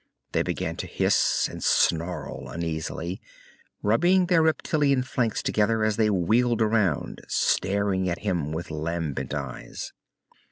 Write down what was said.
They began to hiss and snarl uneasily, rubbing their reptilian flanks together as they wheeled around, staring at him with lambent eyes.